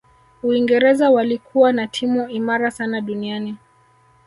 uingereza walikuwa na timu imara sana duniani